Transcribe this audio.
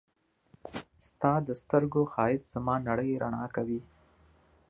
ستا د سترګو ښایست زما نړۍ رڼا کوي.